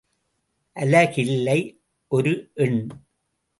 அலகில்லை ஒரு எண்.